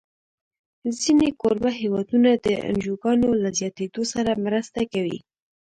ځینې کوربه هېوادونه د انجوګانو له زیاتېدو سره مرسته کوي.